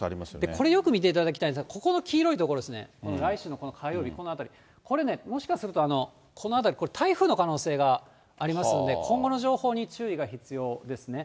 これよく見ていただきたいんですが、ここの黄色い所ですね、この来週のこの火曜日、このあたり、これね、もしかするとこの辺り、台風の可能性がありますんで、今後の情報に注意が必要ですね。